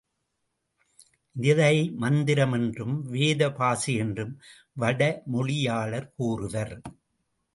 இதை மந்திரம் என்றும் வேத பாஷை என்றும் வடமொழியாளர் கூறுவர்.